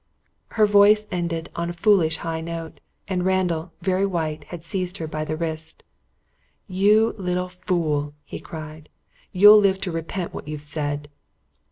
Her voice ended on a foolish high note, for Randall, very white, had seized her by the wrist. "You little fool," he cried. "You'll live to repent what you've said."